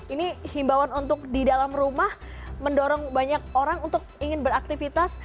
ini himbawan untuk di dalam rumah mendorong banyak orang untuk ingin beraktivitas